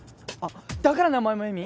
だから名前も恵美？